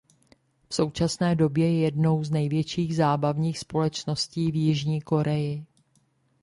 V současné době je jednou z největších zábavních společností v Jižní Koreji.